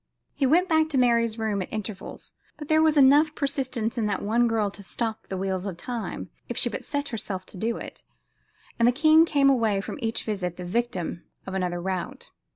He went back to Mary's room at intervals, but there was enough persistence in that one girl to stop the wheels of time, if she but set herself to do it, and the king came away from each visit the victim of another rout.